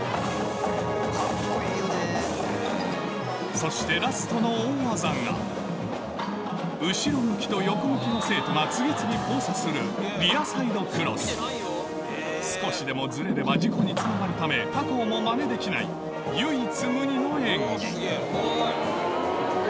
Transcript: そして後ろ向きと横向きの生徒が次々交差する少しでもズレれば事故につながるため他校もマネできない唯一無二の演技